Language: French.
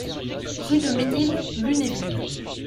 Rue de Ménil, Lunéville